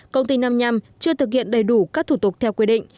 công ty nằm nhằm chưa thực hiện đầy đủ các thủ tục theo quy định